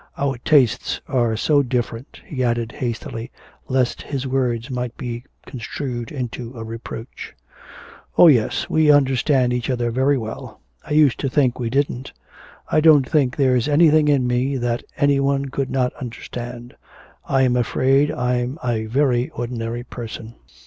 Our tastes are so different,' he added hastily, lest his words might be construed into a reproach. 'Oh yes, we understand each other very well. I used to think we didn't.... I don't think there's anything in me that any one could not understand. I am afraid I'm a very ordinary person.'